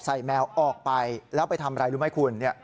แมวออกไปแล้วไปทำอะไรรู้ไหมคุณ